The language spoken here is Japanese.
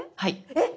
えっ！